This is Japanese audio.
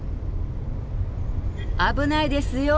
危ないですよ